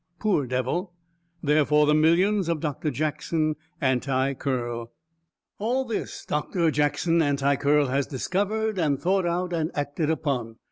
Poor devil! Therefore the millions of Doctor Jackson Anti Curl. "All this Doctor Jackson Anti Curl has discovered and thought out and acted upon.